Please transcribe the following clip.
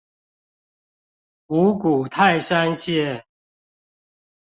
五股泰山線